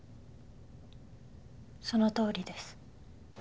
そのとおりです。